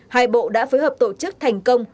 hai bộ đã phối hợp tổ chức thành công